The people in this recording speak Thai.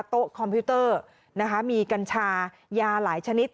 คอมพิวเตอร์นะคะมีกัญชายาหลายชนิด